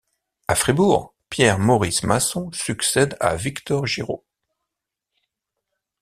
À Fribourg, Pierre-Maurice Masson succède à Victor Giraud.